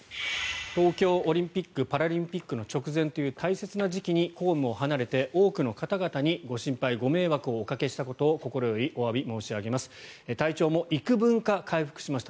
東京オリンピック・パラリンピックの直前という大切な時期に公務を離れて多くの方々にご心配ご迷惑をおかけしたことを心よりおわび申し上げます体調も幾分か回復しました。